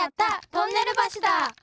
トンネルばしだ！